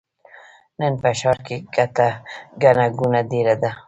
نن په ښار کې ګڼه ګوڼه ډېره ده.